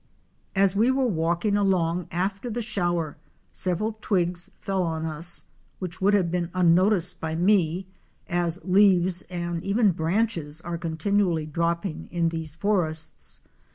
As we were walking along after the shower, several twigs fell on us, which Fic. 133. SECTION z or PADDLE WooD leaves and even branches are continually Tprp. dropping in these forests.